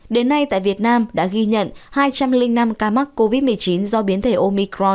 đến nay tại việt nam đã ghi nhận hai trăm linh năm ca mắc covid một mươi chín do biến thể omicro